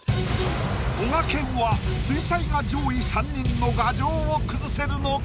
こがけんは水彩画上位３人の牙城を崩せるのか？